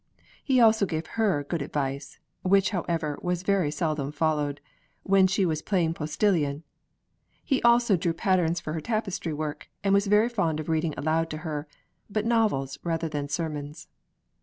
He also gave her good advice which however was very seldom followed when she was playing Postilion; he also drew patterns for her tapestry work, and was very fond of reading aloud to her but novels rather than sermons.